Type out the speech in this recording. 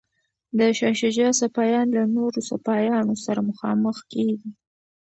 د شاه شجاع سپایان له نورو سپایانو سره مخامخ کیږي.